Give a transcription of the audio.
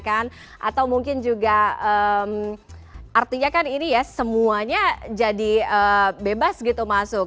atau mungkin juga artinya kan ini ya semuanya jadi bebas gitu masuk